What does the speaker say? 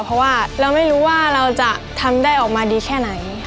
เพราะว่าเราไม่รู้ว่าเราจะทำได้ออกมาดีแค่ไหน